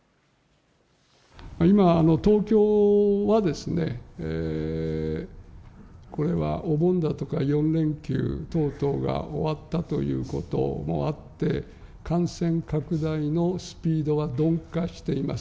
今、東京は、これはお盆だとか４連休等々が終わったということもあって、感染拡大のスピードは鈍化しています。